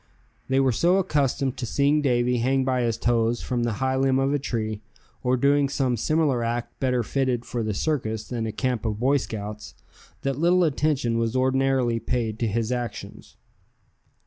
They were so accustomed to seeing Davy hang by his toes from the high limb of a tree, or doing some similar act better fitted for the circus than a camp of Boy Scouts, that little attention was ordinarily paid to his actions.